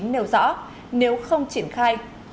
nêu rõ nếu không triển khai